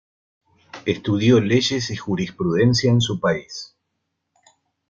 Estudió Leyes y Jurisprudencia en su país.